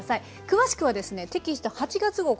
詳しくはですねテキスト８月号